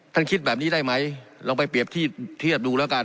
คิดแบบนี้ได้ไหมลองไปเปรียบเทียบดูแล้วกัน